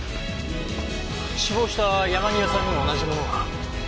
死亡した山際さんにも同じものが。